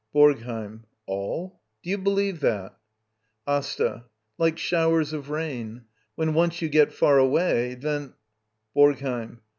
BoRGHEiM. All? Do you believe that? Asta. Like showers of rain.^* When once you get far away, then — BoRGHEiM.